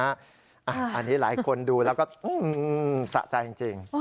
อันนี้หลายคนดูแล้วก็สะใจจริง